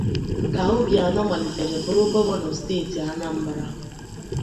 ka Obianọ malitere bụrụ Gọvanọ steeti Anambra